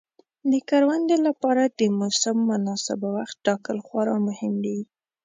د کروندې لپاره د موسم مناسب وخت ټاکل خورا مهم دي.